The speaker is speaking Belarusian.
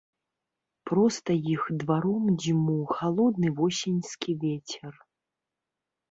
Проста іх дваром дзьмуў халодны восеньскі вецер.